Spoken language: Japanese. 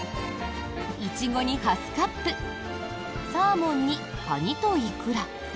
イチゴにハスカップサーモンにカニとイクラ。